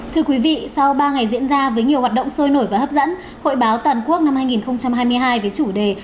thưa quý vị sau ba ngày diễn ra với nhiều hoạt động sôi nổi và hấp dẫn hội báo toàn quốc năm hai nghìn hai mươi hai với chủ đề